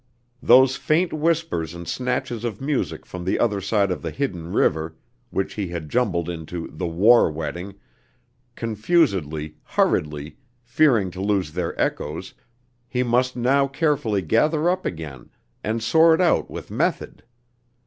Those faint whispers and snatches of music from the other side of the hidden river, which he had jumbled into "The War Wedding," confusedly, hurriedly, fearing to lose their echoes, he must now carefully gather up again and sort out with method.